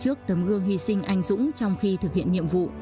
trước tấm gương hy sinh anh dũng trong khi thực hiện nhiệm vụ